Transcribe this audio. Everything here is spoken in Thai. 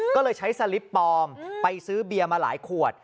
ก็เลยใช้สลิปปลอมไปซื้อเบียร์มาหลายขวด